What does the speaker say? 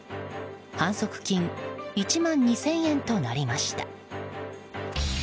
反則金１万２０００円となりました。